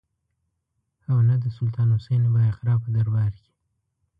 او نه د سلطان حسین بایقرا په دربار کې.